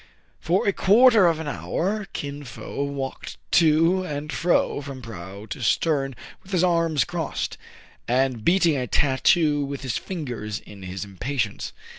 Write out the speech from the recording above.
For a quarter of an hour Kin Fo walked to and fro from prow to stern, with his arms crossed, and beating a tattoo with his fingers in his impatience.